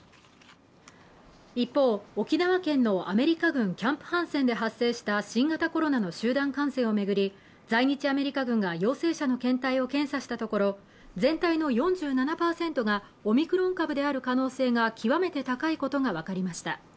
一方、沖縄県のアメリカ軍キャンプ・ハンセンで発生した新型コロナの集団感染を巡り、在日アメリカ軍が陽性者の検体を検査したところ、全体の４７％がオミクロン株である可能性が極めて高いことが分かりました。